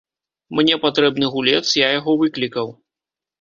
Мне патрэбны гулец, я яго выклікаў.